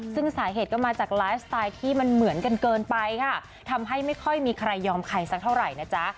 ซึ่งสาเหตุก็มาจากไลฟ์สไตล์ที่มันเหมือนกันเกินไปค่ะทำให้ไม่ค่อยมีใครยอมใครสักเท่าไหร่นะจ๊ะ